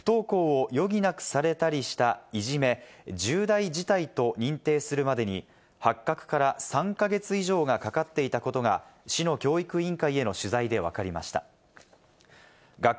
このいじめを学校側が生命などに重大な被害があったり、不登校を余儀なくされたりした、いじめ、重大事態と認定するまでに、発覚から３か月以上がかかっていたことが市の教育委員会への取材でわかりました。